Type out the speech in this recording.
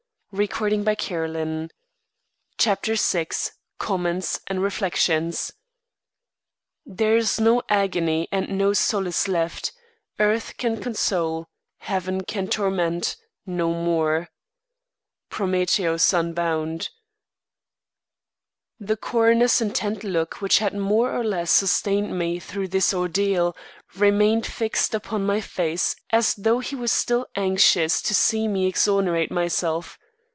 I can neither understand nor explain." VI COMMENTS AND REFLECTIONS There is no agony and no solace left; Earth can console, Heaven can torment, no more Prometheus Unbound The coroner's intent look which had more or less sustained me through this ordeal, remained fixed upon my face as though he were still anxious to see me exonerate myself.